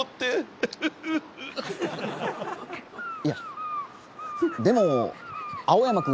いやでも青山君